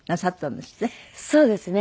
そうですね。